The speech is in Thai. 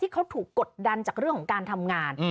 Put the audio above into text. เขาถูกกดดันจากเรื่องของการทำงาน